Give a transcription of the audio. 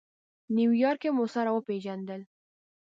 نیویارک کې مو سره وپېژندل.